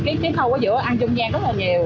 tại vì cái khâu ở giữa ăn trung gian rất là nhiều